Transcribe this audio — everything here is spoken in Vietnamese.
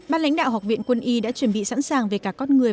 ban lãnh đạo học viện quân y đã chuẩn bị sẵn sàng về cả con người